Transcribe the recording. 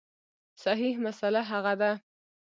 صحیح مسأله هغه ده